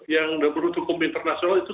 yang berhutuk umum internasional itu